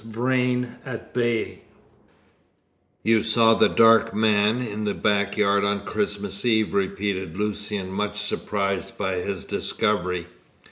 VRAIN AT BAY "You saw the dark man in the back yard on Christmas Eve?" repeated Lucian, much surprised by this discovery.